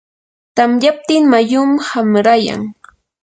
tamyaptin mayum qanrayan.